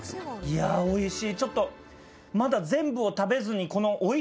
いやおいしいちょっとまだ全部を食べずにこの。